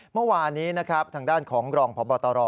เมื่อวานนี้นะครับทางด้านของรองพบตร